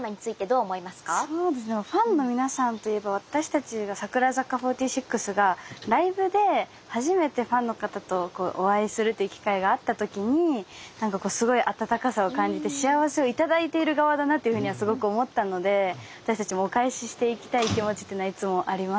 そうですねファンの皆さんといえば私たちが櫻坂４６がライブで初めてファンの方とお会いするっていう機会があった時に何かこうすごい温かさを感じて幸せを頂いている側だなというふうにはすごく思ったので私たちもお返ししていきたい気持ちっていうのはいつもありますねはい。